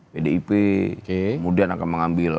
pdip kemudian akan mengambil